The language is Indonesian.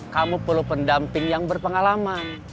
kamu perlu pendamping yang berpengalaman